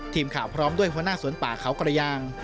ทีมข่าวพร้อมด้วยหัวหน้าสวนป่าเขากระยาง